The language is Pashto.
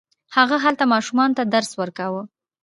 هغه هلته ماشومانو ته درس ورکاوه.